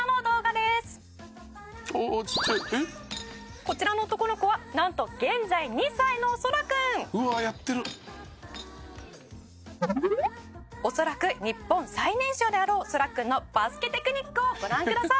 「こちらの男の子はなんと現在２歳のそらくん」「うわあ！やってる」「恐らく日本最年少であろうそらくんのバスケテクニックをご覧ください！」